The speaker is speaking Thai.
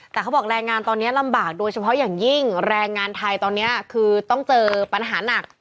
แต่เขาบอกแรงงานตอนนี้ลำบากโดยเฉพาะอย่างยิ่งแรงงานไทยตอนนี้คือต้องเจอปัญหาหนัก